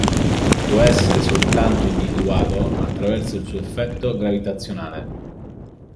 Può essere soltanto individuato attraverso il suo effetto gravitazionale.